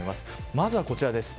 まず、こちらです。